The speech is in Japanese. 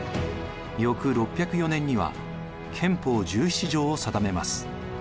翌６０４年には憲法十七条を定めます。